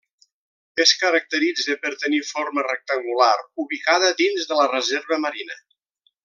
Es caracteritza per tenir forma rectangular ubicada dins de la reserva marina.